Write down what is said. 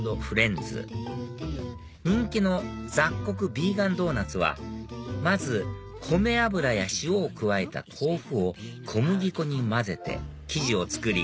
人気の雑穀ヴィーガンドーナツはまず米油や塩を加えた豆腐を小麦粉に混ぜて生地を作り